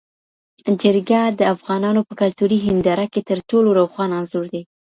جرګه د افغانانو په کلتوري هینداره کي تر ټولو روښانه انځور دی.